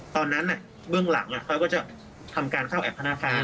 ตอนนั้นเบื้องหลังเขาก็จะทำการเข้าแอบพนาคาร